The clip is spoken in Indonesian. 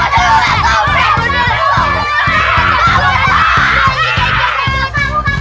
kamu dulu lah